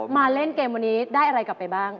มาเล่นเกมวันนี้ได้อะไรกลับไปบ้าง